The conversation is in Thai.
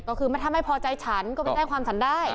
ก็คือถ้าไม่พอใจฉันก็ไปแจ้งความฉันได้